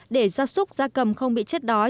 để ra súc ra cầm không bị chết đói